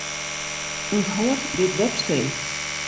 Unthâld dit webstee.